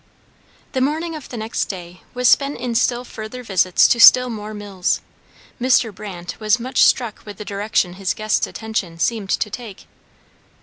The morning of the next day was spent in still further visits to still more mills. Mr. Brandt was much struck with the direction his guests' attention seemed to take.